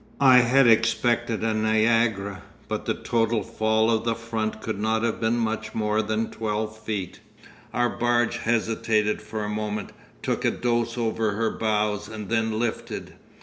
I had expected a Niagara, but the total fall of the front could not have been much more than twelve feet. Our barge hesitated for a moment, took a dose over her bows, and then lifted.